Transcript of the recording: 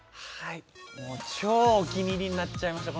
もう超お気に入りになっちゃいました